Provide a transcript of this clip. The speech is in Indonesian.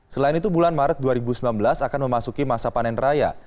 selain itu bulan maret dua ribu sembilan belas akan memasuki masa panen raya